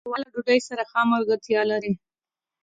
ښوروا له ډوډۍ سره ښه ملګرتیا لري.